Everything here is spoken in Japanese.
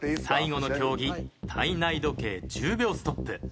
最後の競技体内時計１０秒ストップ。